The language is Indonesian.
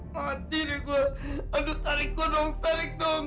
mati deh gua aduh tarik gua dong tarik dong